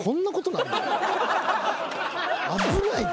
危ないで。